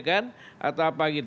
atau apa gitu